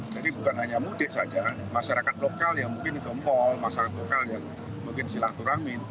jadi bukan hanya mudik saja masyarakat lokal yang mungkin ke mal masyarakat lokal yang mungkin silah turangin